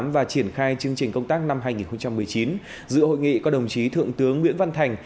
và triển khai chương trình công tác năm hai nghìn một mươi chín dự hội nghị có đồng chí thượng tướng nguyễn văn thành